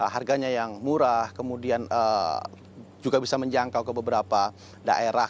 harganya yang murah kemudian juga bisa menjangkau ke beberapa daerah